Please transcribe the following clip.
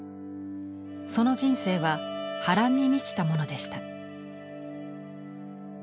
その人生は波乱に満ちたものでした。